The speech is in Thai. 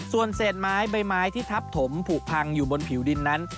ส่วนเศษไม้ใบไม้ที่ทับถมผูกพังอยู่บนผิวดินนั้น